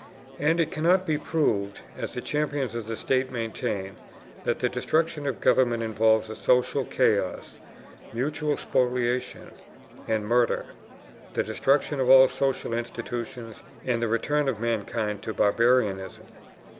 And it cannot be proved, as the champions of the state maintain, that the destruction of government involves a social chaos, mutual spoliation and murder, the destruction of all social institutions, and the return of mankind to barbarism.